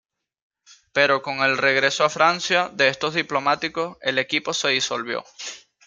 Pero con el regreso a Francia de estos diplomáticos, el equipo se disolvió.